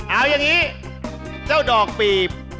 เอาอย่างนี้เจ้าดอกปีบ